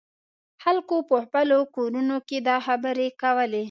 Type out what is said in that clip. خلکو په خپلو کورونو کې دا خبرې کولې.